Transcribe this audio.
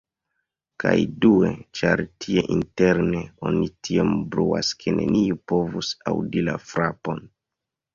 Kaj due, ĉar tie interne oni tiom bruas ke neniu povus aŭdi la frapon.